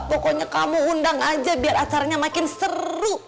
pokoknya kamu undang aja biar acaranya makin seru